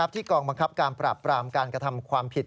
กองบังคับการปราบปรามการกระทำความผิด